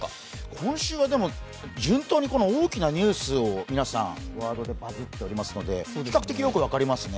今週は順当に大きなニュースのワードでバズっておりますので、比較的よく分かりますね。